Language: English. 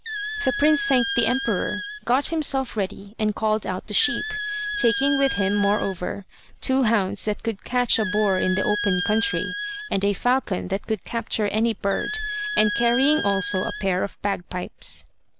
The prince thanked the emperor, got himself ready, and called out the sheep, taking with him, more over, two hounds that could catch a boar in the open country, and a falcon that could capture any bird, and carrying also a pair of bagpipes.